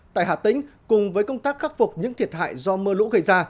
tại hà tĩnh cùng với công tác khắc phục những thiệt hại do mưa lũ gây ra